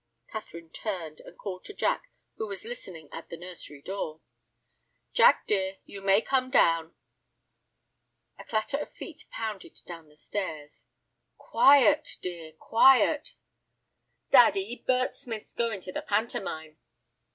Catherine turned, and called to Jack, who was listening at the nursery door. "Jack, dear, you may come down." A clatter of feet pounded down the stairs. "Quiet, dear, quiet." "Daddy, Bert Smith's going to the pantomime."